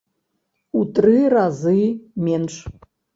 У тры разы менш!